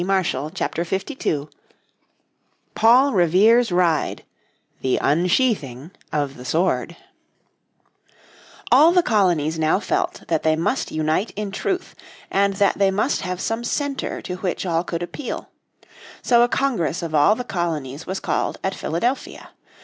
__________ Chapter 52 Paul Revere's Ride The Unsheathing of the Sword All the colonies now felt that they must unite in truth, and that they must have some centre to which all could appeal. So a Congress of all the colonies was called at Philadelphia.